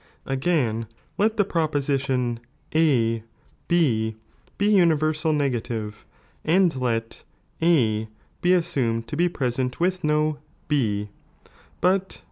Again, let the proposition A B be universal negative, and let A be assumed u> be present with no B, but 2.